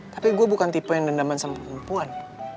tapi gue bukan tipe yang dendaman sama perempuan